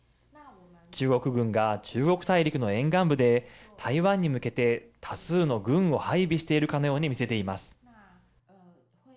中国軍が中国大陸の沿岸部で台湾に向けて多数の軍を配備しているかのように見せています。